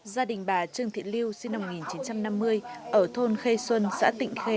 gia đình bà trương thị lưu sinh năm một nghìn chín trăm năm mươi ở thôn khe xuân xã tịnh khê